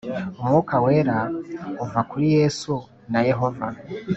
umwuka wera uva kuri Yesu na Yehova